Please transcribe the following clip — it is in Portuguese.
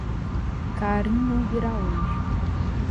Karin não virá hoje.